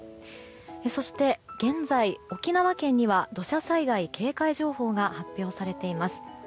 そして、現在、沖縄県には土砂災害警戒情報が発表されています。